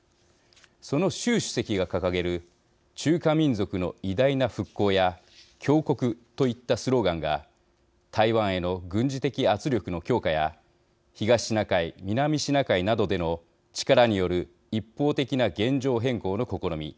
その習主席が掲げる中華民族の偉大な復興や強国といったスローガンが台湾への軍事的圧力の強化や東シナ海・南シナ海などでの力による一方的な現状変更の試み